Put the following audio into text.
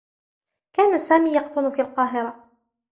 كان سامي يقطن في القاهرة.